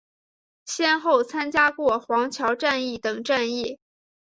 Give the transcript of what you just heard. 先后参加过黄桥战役等战役。